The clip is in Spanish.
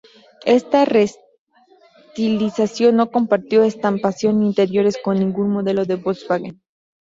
Esta reestilización no compartió estampación ni interiores con ningún modelo de Volkswagen.